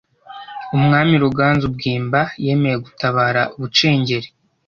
umwami Ruganzu Bwimba yemeye gutabara bucengeli